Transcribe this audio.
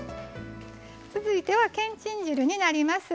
続いては、けんちん汁になります。